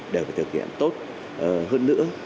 đều phải thực hiện tốt hơn nữa